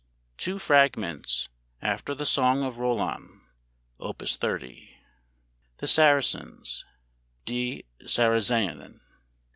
] TWO FRAGMENTS (AFTER THE "SONG OF ROLAND"): Op. 30 1. THE SARACENS (Die Sarazenen) 2.